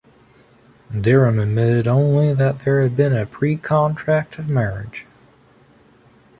Dereham admitted only that there had been a pre-contract of marriage.